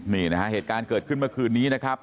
นี่นะฮะเหตุการณ์เกิดขึ้นเมื่อคืนนี้นะครับ